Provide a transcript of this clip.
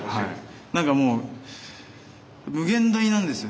何かもう無限大なんですよ。